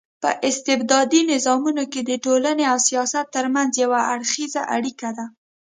په استبدادي نظامونو کي د ټولني او سياست ترمنځ يو اړخېزه اړيکه ده